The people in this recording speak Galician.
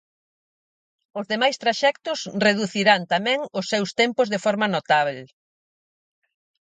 Os demais traxectos reducirán tamén os seus tempos de forma notábel.